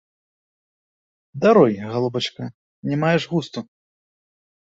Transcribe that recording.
Даруй, галубачка, не маеш густу.